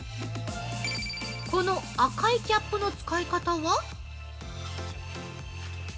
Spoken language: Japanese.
この赤いキャップの使い方は。